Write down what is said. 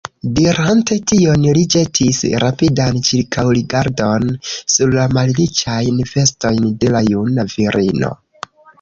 Dirante tion, li ĵetis rapidan ĉirkaŭrigardon sur la malriĉajn vestojn de la juna virino.